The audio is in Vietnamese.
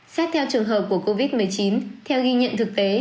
xét theo trường hợp của covid một mươi chín theo ghi nhận thực tế